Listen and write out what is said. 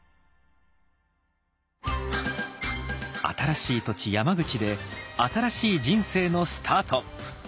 新しい土地山口で新しい人生のスタート。